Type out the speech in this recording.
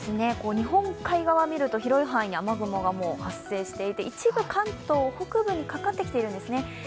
日本海側見ると、広い範囲に雨雲が発生していて、一部、関東北部にかかってきてるんですね。